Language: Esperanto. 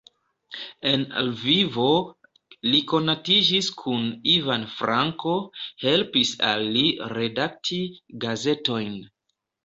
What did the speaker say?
En Lvivo li konatiĝis kun Ivan Franko, helpis al li redakti gazetojn.